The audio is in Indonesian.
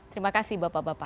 terima kasih bapak bapak